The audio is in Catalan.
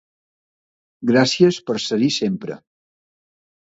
Gràcies per ser-hi sempre!